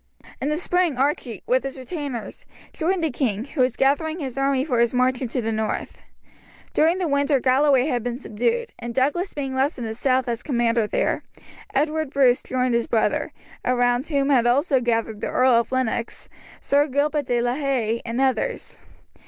In the spring Archie, with his retainers, joined the king, who was gathering his army for his march into the north. During the winter Galloway had been subdued, and Douglas being left in the south as commander there, Edward Bruce joined his brother, around whom also gathered the Earl of Lennox, Sir Gilbert de la Haye, and others.